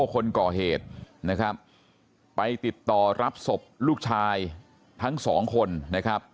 คนก่อเหตุนะครับไปติดต่อรับศพลูกชายทั้งสองคนนะครับ